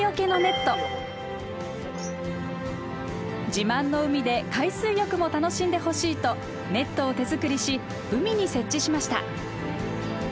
自慢の海で海水浴も楽しんでほしいとネットを手作りし海に設置しました。